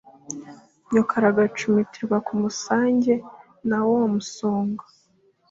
nyoko aragacumitirwa ku mu sange na wo umusonga